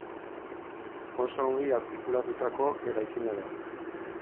Oso ongi artikulatutako eraikina da.